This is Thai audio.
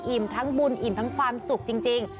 ทั้งบุญอิ่มทั้งความสุขจริง